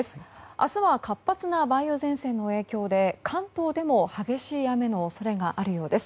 明日は活発な梅雨前線の影響で関東でも激しい雨の恐れがあるようです。